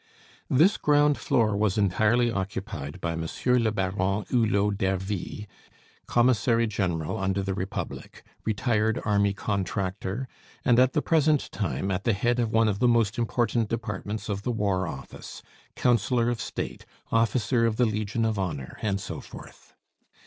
This ground floor was entirely occupied by Monsieur le Baron Hulot d'Ervy, Commissary General under the Republic, retired army contractor, and at the present time at the head of one of the most important departments of the War Office, Councillor of State, officer of the Legion of Honor, and so forth.